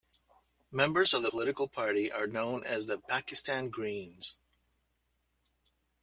Members of the political party are known as the "Pakistan Greens".